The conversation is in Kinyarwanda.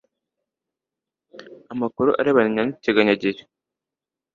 amakuru arebana n iteganyagihe